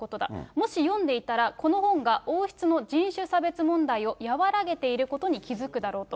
もし読んでいたら、この本が王室の人種差別問題を和らげていることに気付くだろうと。